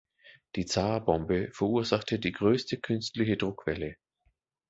Die Zar-Bombe verursachte die größte künstliche Druckwelle.